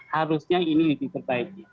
harusnya ini lebih terbaik